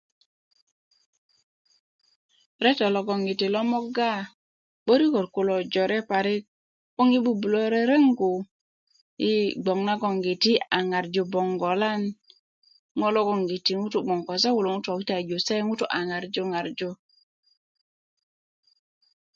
Reto logolongiti lo moga 'böriköt kulo jore parik 'boŋ yi bubulo rerengu i bgwoŋ nagongiti yi a ŋarju bongolan ŋo logolongiti yi bgwo ko se kulo yi a ŋarju ŋarju